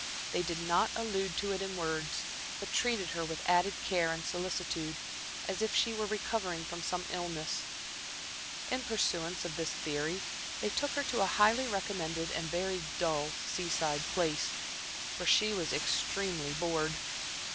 They did not allude to it in words, but treated her with added care and solicitude, as if she were recovering from some illness. In pursuance of this theory, they took her to a highly recommended and very dull seaside place, where she was extremely bored.